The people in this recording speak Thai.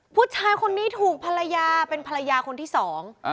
ผู้ชายคนนี้ถูกภรรยาเป็นภรรยาคนที่สองอ่า